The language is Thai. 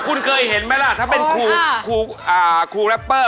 คุณเคยเห็นไหมล่ะถ้าเป็นครูแรปเปอร์